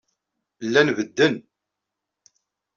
Llan bedden.